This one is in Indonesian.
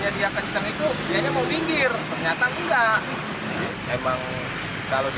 atau gimana emang pada banyak